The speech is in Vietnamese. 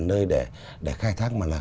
nơi để khai thác mà là